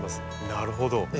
なるほど。